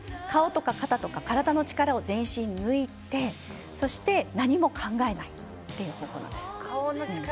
顔とか肩とか体の力を全身抜いてそして、何も考えないという方法なんです。